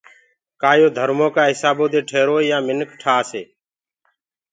ڪآ يو ڌرمو ڪآ هِسآبو دي ٺيروئي يآن منک ٺآنيٚ